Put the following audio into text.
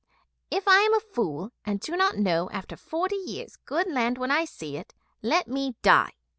If I am a fool and do not know, after forty years, good land when I see it, let me die!